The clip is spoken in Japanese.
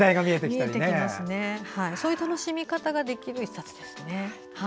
そういう楽しみ方ができる一冊ですね。